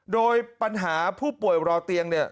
โดยปัญหาผู้ป่วยรอเตียงเนี่ย